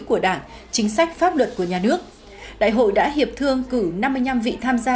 của đảng chính sách pháp luật của nhà nước đại hội đã hiệp thương cử năm mươi năm vị tham gia